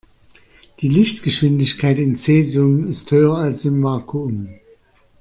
Die Lichtgeschwindigkeit in Cäsium ist höher als im Vakuum.